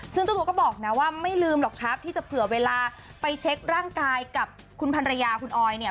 ซึ่งเจ้าตัวก็บอกนะว่าไม่ลืมหรอกครับที่จะเผื่อเวลาไปเช็คร่างกายกับคุณพันรยาคุณออยเนี่ย